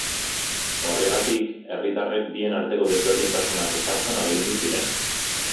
Horregatik, herritarrek bien arteko desberdintasunak ezartzen ahalegindu ziren.